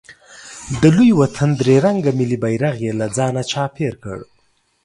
د لوی وطن درې رنګه ملي بیرغ یې له ځانه راچاپېر کړ.